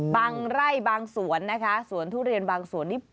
ไร่บางสวนนะคะสวนทุเรียนบางส่วนนี้